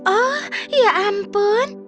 oh ya ampun